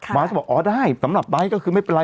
มาสก็บอกอ๋อได้สำหรับไบท์ก็คือไม่เป็นไร